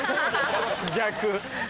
逆。